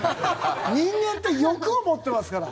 人間って欲を持ってますから。